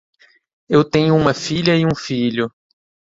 Eu tenho uma filha e um filho.